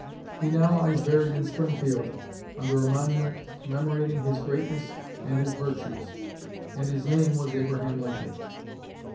He now lies buried in Springfield, under a monument commemorating his greatness and his virtues, and his name was Abraham Lincoln."